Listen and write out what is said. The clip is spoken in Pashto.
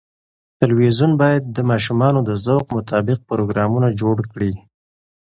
تلویزیون باید د ماشومانو د ذوق مطابق پروګرامونه جوړ کړي.